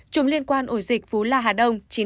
chủng liên quan ổ dịch phú la hà đông một mươi ba ca